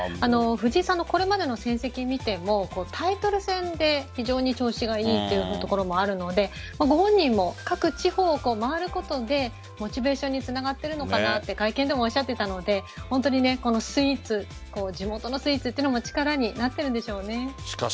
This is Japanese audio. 藤井さんのこれまでの成績を見てもタイトル戦で非常に調子がいいというところもあるのでご本人も各地方を回ることでモチベーションにつながってるのかなと会見でもおっしゃっていたので地元のスイーツも力になっているんでしょうね。